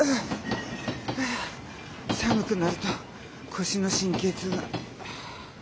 寒くなると腰の神経痛が。